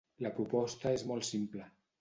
La proposta és molt simple.